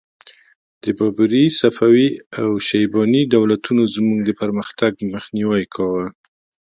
د بابري، صفوي او شیباني دولتونو زموږ د پرمختګ مخنیوی کاوه.